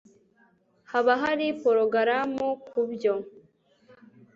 haba hari porogaramu kubyo